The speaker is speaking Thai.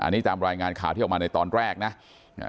อันนี้ตามรายงานข่าวที่ออกมาในตอนแรกนะอ่า